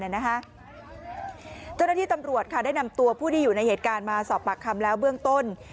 เจ้าหน้าที่ตำรวจได้นำตัวผู้ที่อยู่ในเหตุการณ์มาสอบปากคำแล้วเบื้องต้น